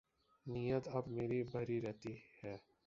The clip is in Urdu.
نیت اب میری بھری رہتی ہے